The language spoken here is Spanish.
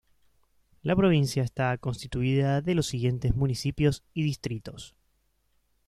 La Provincia está constituida de los siguientes municipios y distritos.